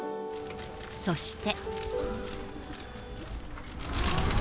そして。